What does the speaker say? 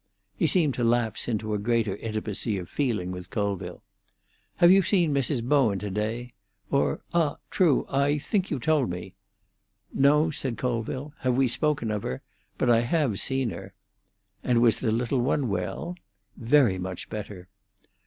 He seemed to lapse into a greater intimacy of feeling with Colville. "Have you seen Mrs. Bowen to day? Or—ah! true! I think you told me." "No," said Colville. "Have we spoken of her? But I have seen her." "And was the little one well?" "Very much better."